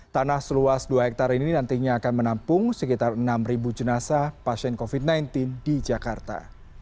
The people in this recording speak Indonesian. tanah seluas dua hektare ini nantinya akan menampung sekitar enam jenazah pasien covid sembilan belas di jakarta